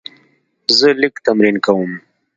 زه لیک تمرین کوم.